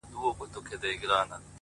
o نه ؛ نه داسي نه ده؛